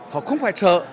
họ không phải sợ